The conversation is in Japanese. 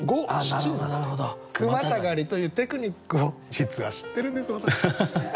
句またがりというテクニックを実は知ってるんです私。